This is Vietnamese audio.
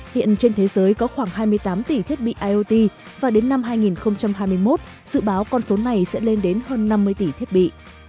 hiện trên thế giới có khoảng hai mươi tám tỷ thiết bị iot và đến năm hai nghìn hai mươi một dự báo con số này sẽ lên đến hơn năm mươi tỷ thiết bị